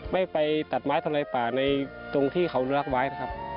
ไม่ไปตัดไม้ทำลายป่าในตรงที่เขาอนุรักษ์ไว้นะครับ